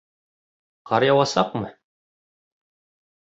Ҡар яуасаҡмы?